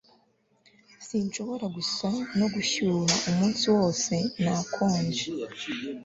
Sinshobora gusa no gushyuha Umunsi wose nakonje